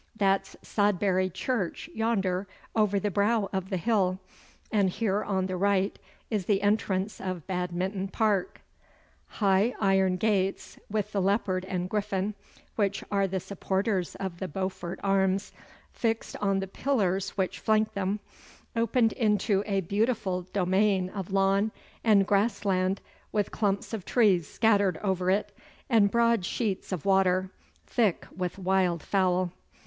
'That's Sodbury Church yonder over the brow of the hill, and here on the right is the entrance of Badminton Park.' High iron gates, with the leopard and griffin, which are the supporters of the Beaufort arms, fixed on the pillars which flanked them, opened into a beautiful domain of lawn and grass land with clumps of trees scattered over it, and broad sheets of water, thick with wild fowl.